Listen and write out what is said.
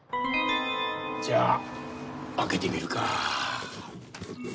じゃあ開けてみるか。